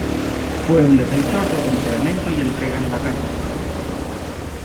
Fue un defensor de temperamento y entrega en la cancha.